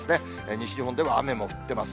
西日本でも雨が降ってます。